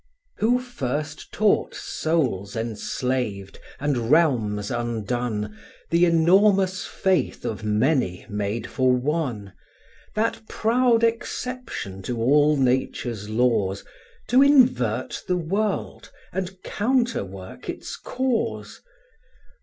Who first taught souls enslaved, and realms undone, The enormous faith of many made for one; That proud exception to all Nature's laws, To invert the world, and counter work its cause?